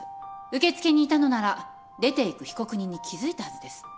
受付にいたのなら出ていく被告人に気付いたはずです。